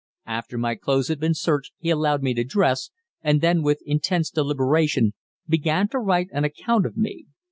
After my clothes had been searched he allowed me to dress, and then with intense deliberation began to write an account of me.